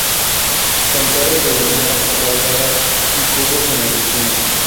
Con torre del homenaje cuadrada y cubos en las esquinas.